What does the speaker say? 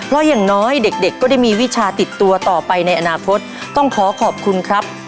เพราะอย่างน้อยเด็กเด็กก็ได้มีวิชาติดตัวต่อไปในอนาคตต้องขอขอบคุณครับ